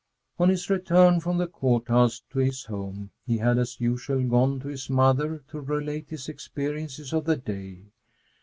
On his return from the Court House to his home, he had, as usual, gone to his mother to relate his experiences of the day.